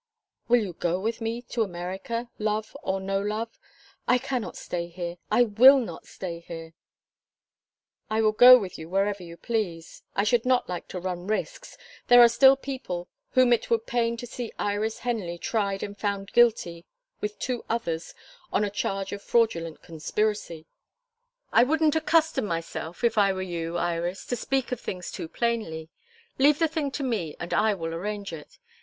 "Will you go with me to America love or no love? I cannot stay here I will not stay here." "I will go with you wherever you please. I should like not to run risks. There are still people whom it would pain to see Iris Henley tried and found guilty with two others on a charge of fraudulent conspiracy." "I wouldn't accustom myself, if I were you, Iris, to speak of things too plainly. Leave the thing to me and I will arrange it.